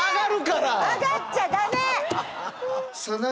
上がっちゃだめ！